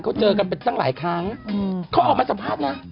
เขาเจอกันเป็นตั้งหลายครั้งเขาออกมาสัมภาษณ์นะ